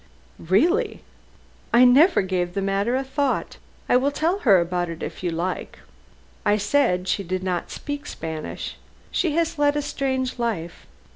"Really. I never gave the matter a thought. I will tell her about it if you like. I said she did not speak Spanish! She has led a strange life.